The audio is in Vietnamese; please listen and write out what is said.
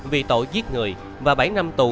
vì tội giết người và bảy năm tù